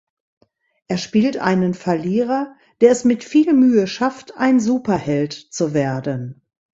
Er spielt einen Verlierer, der es mit viel Mühe schafft ein Superheld zu werden.